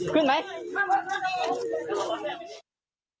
พื้นไม่รู้